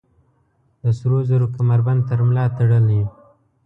د سروزرو کمربند تر ملا تړلي